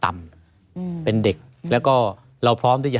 ไม่มีครับไม่มีครับ